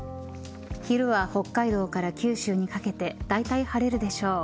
昼は北海道から九州にかけてだいたい晴れるでしょう。